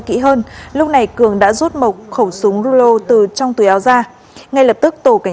để nếu như phát hiện